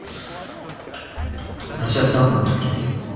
私はサーモンが好きです。